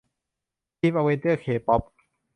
ทีมอเวนเจอร์เคป๊อป